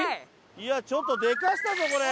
いやちょっとでかしたぞこれ。